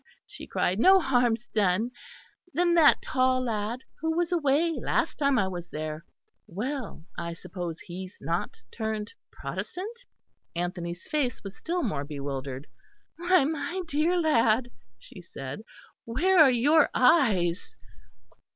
she cried. "No harm's done. Then that tall lad, who was away last time I was there well, I suppose he's not turned Protestant?" Anthony's face was still more bewildered. "Why, my dear lad," she said, "where are your eyes?"